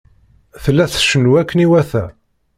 Tella tcennu akken iwata.